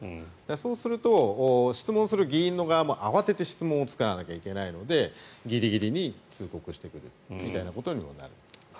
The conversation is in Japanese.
そうすると、質問する議員の側も慌てて質問を作らないといけないのでギリギリに通告してくるみたいなことになる。